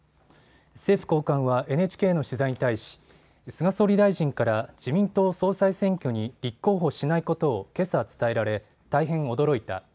政府高官はＮＨＫの取材に対し菅総理大臣から自民党総裁選挙に立候補しないことをけさ伝えられ大変驚いた。